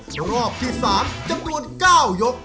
รอบที่๓จำนวน๙ยก